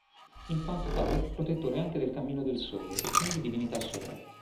In quanto tale protettore anche del cammino del Sole e quindi divinità solare.